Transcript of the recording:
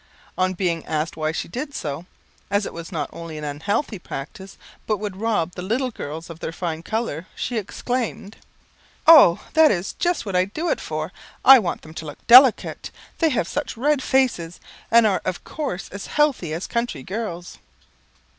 On being asked why she did so, as it was not only an unhealthy practice, but would rob the little girls of their fine colour, she exclaimed, "Oh, that is just what I do it for. I want them to look delicate. They have such red faces, and are as coarse and healthy as country girls."